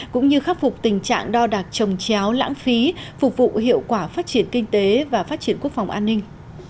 cũng như khắc phục tình trạng đo đạc trồng chéo lãng phí phục vụ hiệu quả phát triển kinh tế và phát triển quốc phòng an ninh